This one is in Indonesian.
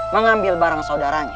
mengambil barang saudaranya